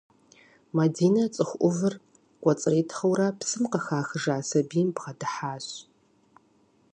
Мадинэ цӏыху ӏувыр кӏуэцӏритхъури псым къыхахыжа сабийм бгъэдыхьащ.